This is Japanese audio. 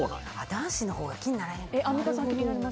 男子のほうが気にならへんのかな。